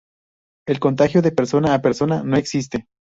El contagio de persona a persona no existe.